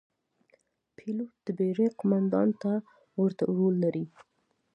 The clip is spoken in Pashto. پیلوټ د بېړۍ قوماندان ته ورته رول لري.